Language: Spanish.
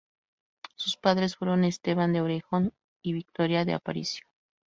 Sus padres fueron Esteban de Orejón y Victoria de Aparicio.